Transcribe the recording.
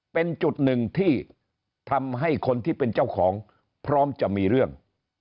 เป็นจุดหนึ่งที่ทำให้คนที่เป็นเจ้าของพร้อมจะมีเรื่อง